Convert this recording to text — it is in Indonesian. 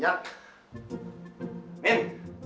selamat pagi juragan